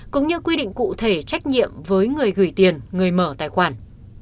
cũng như quy định cụ thể trách nhiệm với người gửi tiền người mở tài khoản